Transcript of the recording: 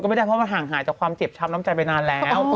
ไม่ได้เพราะมันห่างหายจากความเจ็บช้ำน้ำใจไปนานแล้ว